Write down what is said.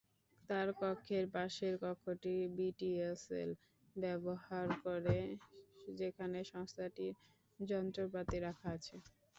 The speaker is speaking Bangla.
তাঁর কক্ষের পাশের কক্ষটি বিটিসিএল ব্যবহার করে, যেখানে সংস্থাটির যন্ত্রপাতি রাখা আছে।